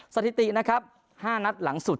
สถิตินะครับ๕นัดหลังสุด